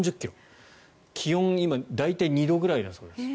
気温は今、大体２度ぐらいだそうです。